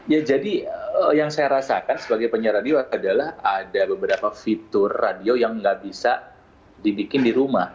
ya jadi yang saya rasakan sebagai penyiar radio adalah ada beberapa fitur radio yang nggak bisa dibikin di rumah